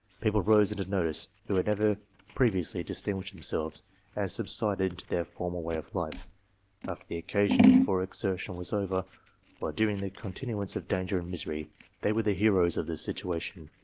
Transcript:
People rose into notice who had never previously distinguished themselves, and subsided into their former way of life, after the occa sion for exertion was over ; while during the continuance of danger and misery, they were the heroes of their situa tion.